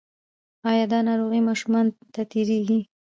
ایا دا ناروغي ماشومانو ته تیریږي؟